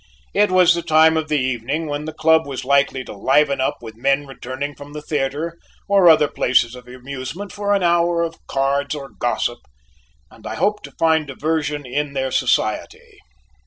It was the time of the evening when the club was likely to liven up with men returning from the theatre or other places of amusement for an hour of cards or gossip, and I hoped to find diversion in their society.